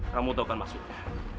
kamu tahu kan maksudnya